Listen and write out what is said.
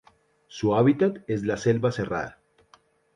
Su hábitat es la selva cerrada.